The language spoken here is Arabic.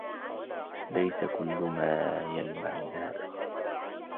ليس كل ما يلمع ذهباً.